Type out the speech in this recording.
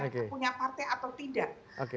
tidak ada yang punya partai atau tidak